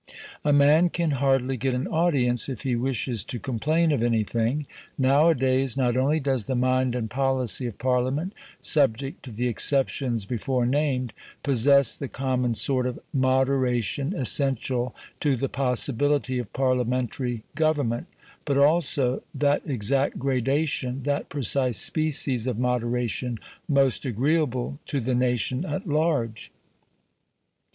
A man can hardly get an audience if he wishes to complain of anything. Nowadays, not only does the mind and policy of Parliament (subject to the exceptions before named) possess the common sort of moderation essential to the possibility of Parliamentary government, but also that exact gradation, that precise species of moderation, most agreeable to the nation at large.